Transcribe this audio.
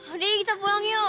adeknya kita pulang yuk